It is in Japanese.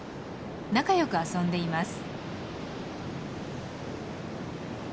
仲良く遊んでいます。